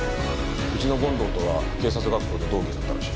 うちの権藤とは警察学校で同期だったらしい。